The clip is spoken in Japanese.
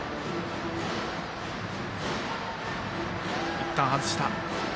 いったん外した。